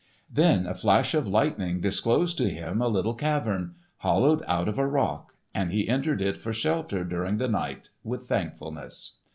Then a flash of lightning disclosed to him a little cavern, hollowed out of a rock, and he entered it for shelter during the night, with thankfulness.